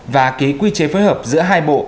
và ký quy chế phối hợp giữa hai bộ